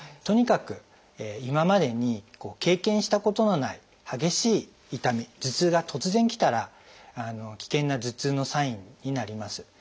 とにかく今までに経験したことのない激しい痛み頭痛が突然来たら危険な頭痛のサインになります。